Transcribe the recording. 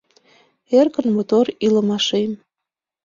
Эркын мотор илымашем